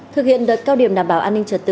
thực hiện đợt cao điểm đảm bảo an ninh trật tự